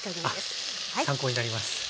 あっ参考になります。